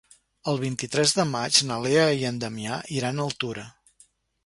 El vint-i-tres de maig na Lea i en Damià iran a Altura.